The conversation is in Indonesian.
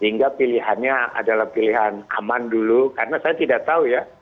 hingga pilihannya adalah pilihan aman dulu karena saya tidak tahu ya